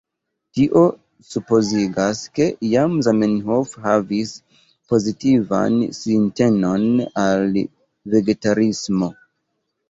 Tio supozigas, ke jam Zamenhof havis pozitivan sintenon al vegetarismo.